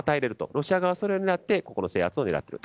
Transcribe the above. ロシア側はそれを狙ってここの制圧を狙っている。